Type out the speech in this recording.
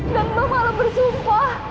dan mbak malah bersumpah